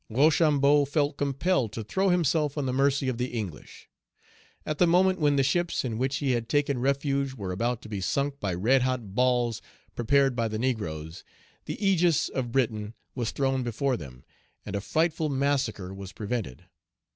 Rochambeau felt compelled to throw himself on the mercy of the English. At the moment when the ships in which he had taken refuge were about to be sunk by red hot balls prepared by the negroes, the ægis of Britain was thrown before them, and a frightful massacre was prevented.